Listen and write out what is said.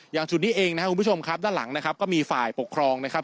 จุดนี้เองนะครับคุณผู้ชมครับด้านหลังนะครับก็มีฝ่ายปกครองนะครับ